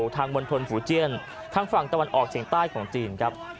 มณฑลฝูเจียนทางฝั่งตะวันออกเฉียงใต้ของจีนครับ